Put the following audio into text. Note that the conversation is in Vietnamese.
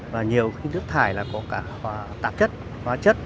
và nhiều khi nước thải là có cả tạp chất hóa chất